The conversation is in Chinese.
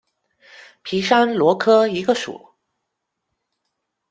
皮山螺科一个属。